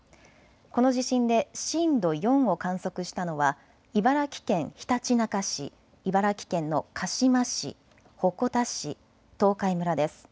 この地震で震度４を観測したのは茨城県ひたちなか市、茨城県の鹿嶋市、鉾田市、東海村です。